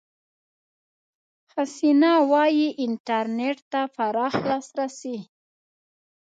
حسنه وايي، انټرنېټ ته پراخ لاسرسي